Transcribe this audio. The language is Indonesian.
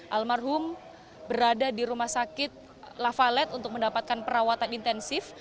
almarhum berada di rumah sakit lafalet untuk mendapatkan perawatan intensif